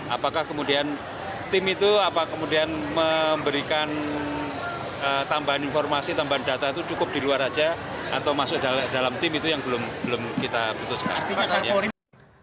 apakah kemudian tim itu apa kemudian memberikan tambahan informasi tambahan data itu cukup di luar saja atau masuk dalam tim itu yang belum kita putuskan